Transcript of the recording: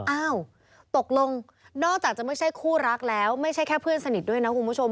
อ้าวตกลงนอกจากจะไม่ใช่คู่รักแล้วไม่ใช่แค่เพื่อนสนิทด้วยนะคุณผู้ชม